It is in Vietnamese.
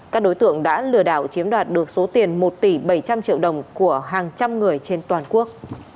các đối tượng đã lừa đảo chiếm đoạt được số tiền một tỷ bảy trăm linh triệu đồng của hàng trăm người trên toàn quốc